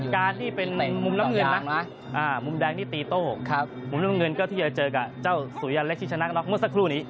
การที่เป็นมุมน้ำเงินนะมุมแดงนี่ตีโต้มุมน้ำเงินก็ที่จะเจอกับเจ้าสุยันเล็กที่ชนะน็อกเมื่อสักครู่นี้